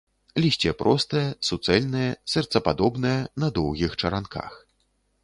Лісце простае, суцэльнае, сэрцападобнае, на доўгіх чаранках.